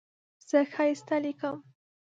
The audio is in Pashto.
زه ښایسته لیکم.